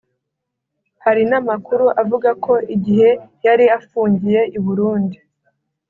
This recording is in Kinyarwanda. Hari n’amakuru avuga ko igihe yari afungiye i Burundi